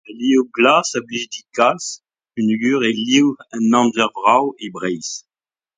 Al liv glas a blij din kalz peogwir eo liv an amzer vrav e Breizh.